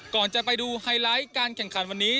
ก่อนจะไปดูไฮไลท์การแข่งขันวันนี้